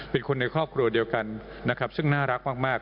เป็นคนในครอบครัวเดียวกันนะครับซึ่งน่ารักมาก